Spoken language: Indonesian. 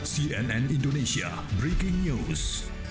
cnn indonesia breaking news